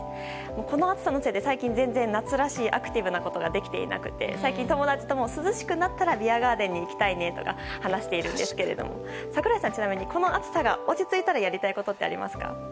この暑さのせいで最近全然、夏らしいアクティブなことができてなくて最近友達とも涼しくなったらビアガーデンとか行きたいねとか話しているんですが櫻井さん、ちなみにこの暑さが落ち着いたらやりたいことはありますか？